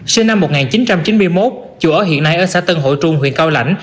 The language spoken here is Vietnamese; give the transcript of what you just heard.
sinh năm một nghìn chín trăm chín mươi một chủ ở hiện nay ở xã tân hội trung huyện cao lãnh